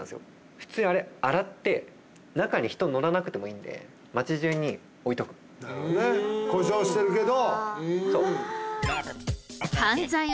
普通にあれ洗って中に人乗らなくてもいいんで故障してるけど。